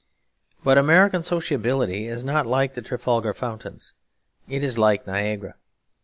But American sociability is not like the Trafalgar fountains. It is like Niagara.